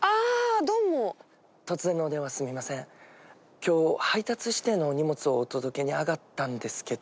今日配達指定のお荷物をお届けにあがったんですけど。